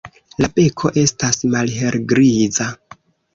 La beko estas malhelgriza.